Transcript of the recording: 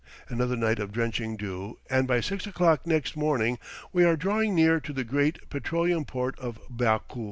Another night of drenching dew, and by six o'clock next morning we are drawing near to the great petroleum port of Baku.